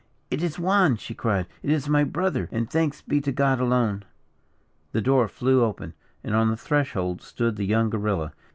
"It is Juan!" she cried, "it is my brother, and thanks be to God, alone!" The door flew open, and on the threshold stood the young guerilla.